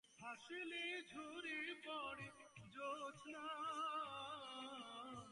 This may be completely voluntary or a condition of employment, or anything in between.